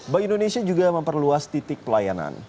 bank indonesia juga memperluas titik pelayanan